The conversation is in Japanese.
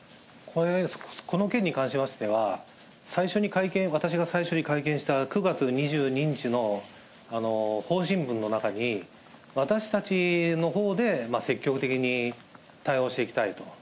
この件に関しましては、最初に会見、私が最初に会見した９月２２日の新聞の中に、私たちのほうで積極的に対応していきたいと。